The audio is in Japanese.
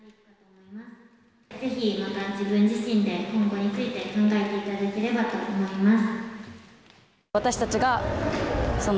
ぜひ、また、自分自身で今後について考えていただければと思います。